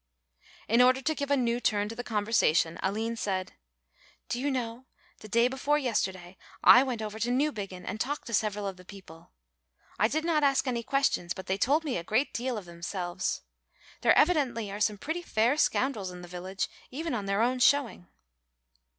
In order to give a new turn to the conversation Aline said: "Do you know, the day before yesterday I went over to Newbiggin and talked to several of the people? I did not ask any questions, but they told me a great deal of themselves. There evidently are some pretty fair scoundrels in the village, even on their own showing."